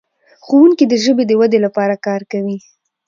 ښوونکي د ژبې د ودې لپاره کار کوي.